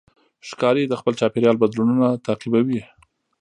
ښکاري د خپل چاپېریال بدلونونه تعقیبوي.